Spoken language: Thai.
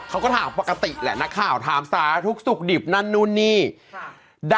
เขาก็ถามปกติแหละนักข่าวถามสาธุสุขดิบนั่นนู่นนี่